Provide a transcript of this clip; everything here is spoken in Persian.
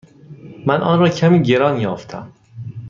من آن را کمی گران یافتم.